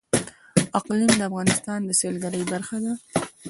اقلیم د افغانستان د سیلګرۍ برخه ده.